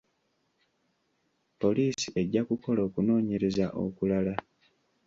Poliisi ejja kukola okunoonyereza okulala.